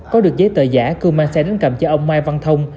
có được giấy tờ giả cương mang xe đến cầm cho ông mai văn thông